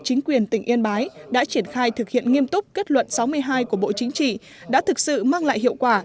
chính quyền tỉnh yên bái đã triển khai thực hiện nghiêm túc kết luận sáu mươi hai của bộ chính trị đã thực sự mang lại hiệu quả